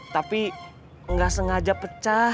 tapi nggak sengaja pecah